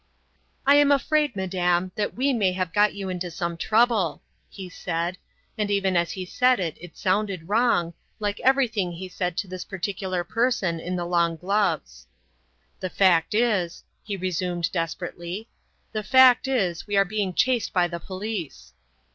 "I am afraid, madam, that we may have got you into some trouble," he said, and even as he said it it sounded wrong, like everything he said to this particular person in the long gloves. "The fact is," he resumed, desperately, "the fact is, we are being chased by the police."